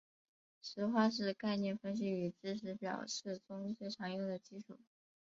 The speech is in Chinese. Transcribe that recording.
实化是概念分析与知识表示中最常用的技术。